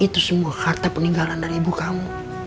itu semua harta peninggalan dari ibu kamu